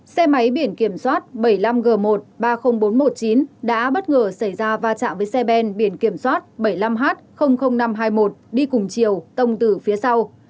xe máy biển kiểm soát bảy mươi năm g một ba mươi nghìn bốn trăm một mươi chín đã bất ngờ xảy ra va chạm với xe ben biển kiểm soát bảy mươi năm h năm trăm hai mươi một đi cùng chiều tông từ phía sau